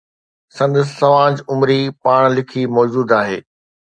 سندس سوانح عمري، پاڻ لکي، موجود آهي.